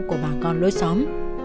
của bà con lối xóm